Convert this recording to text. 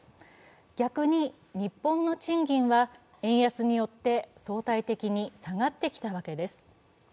逆に日本の賃金は、円安によって相対的に下がってきたわけです。